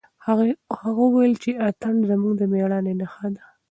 هغه وویل چې اتڼ زموږ د مېړانې نښه ده.